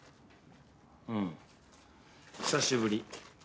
うん久しぶり。